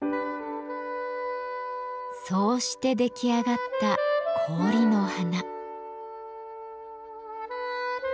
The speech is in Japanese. そうして出来上がった氷の花。